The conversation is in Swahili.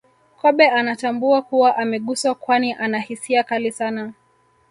Kobe anatambua kuwa ameguswa kwani ana hisia kali sana